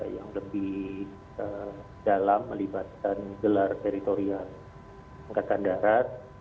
yang lebih dalam melibatkan gelar teritorial angkatan darat